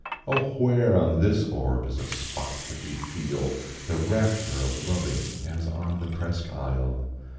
Oh, where on this orb is a spot that we feel The rapture of loving as on the Presque Isle.